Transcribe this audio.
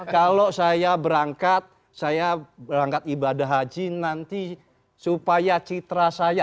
kalau saya berangkat saya berangkat ibadah haji nanti supaya citra saya